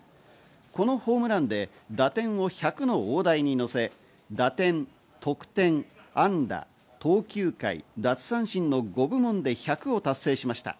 このホームランで打点を１００の大台に乗せ、打点、得点、安打、投球回、奪三振の５部門で１００を達成しました。